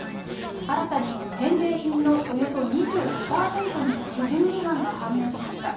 新たに返礼品のおよそ２５％に、基準違反が判明しました。